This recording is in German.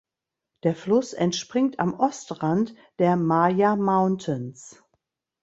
Der Fluss entspringt am Ostrand der Maya Mountains.